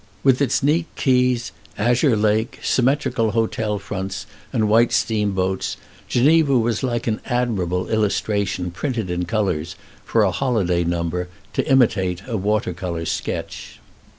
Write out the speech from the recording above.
With its neat quays, azure lake, symmetrical hotel fronts, and white steamboats, Geneva was like an admirable illustration printed in colors, for a holiday number, to imitate a water color sketch.